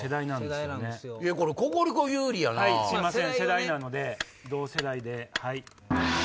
すいません世代なので同世代。